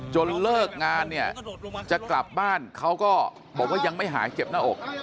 เลิกงานเนี่ยจะกลับบ้านเขาก็บอกว่ายังไม่หายเจ็บหน้าอก